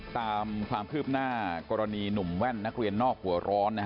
ตามความคืบหน้ากรณีหนุ่มแว่นนักเรียนนอกหัวร้อน